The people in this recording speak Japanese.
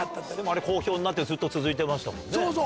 あれ好評になってずっと続いてましたもんね。